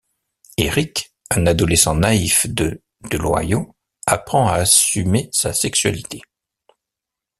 Éric, un adolescent naïf de de l'Ohio, apprend à assumer sa sexualité.